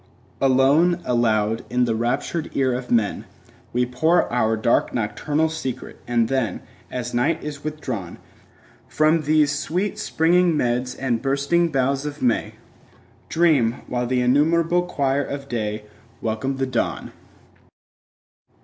Alone, aloud in the raptured ear of men We pour our dark nocturnal secret; and then, As night is withdrawn 15 From these sweet springing meads and bursting boughs of May, Dream, while the innumerable choir of day Welcome the dawn.